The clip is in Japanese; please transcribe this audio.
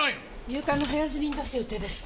夕刊の早刷りに出す予定です。